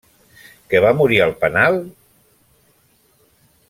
Que va morir al penal?